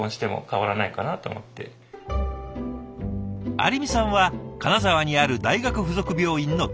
有美さんは金沢にある大学付属病院の教員。